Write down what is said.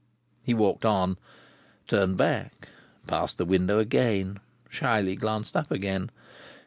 He walked on, turned back, passed the window again, shyly glanced up again.